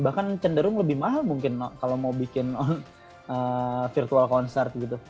bahkan cenderung lebih mahal mungkin kalau mau bikin virtual concert gitu